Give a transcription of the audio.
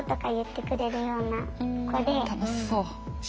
楽しそう。